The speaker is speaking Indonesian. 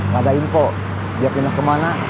pada info dia pindah kemana